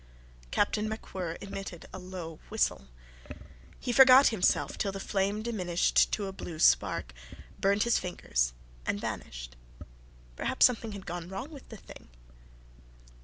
Captain MacWhirr emitted a low whistle. He forgot himself till the flame diminished to a blue spark, burnt his fingers and vanished. Perhaps something had gone wrong with the thing!